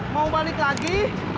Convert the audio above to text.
mau balik lagi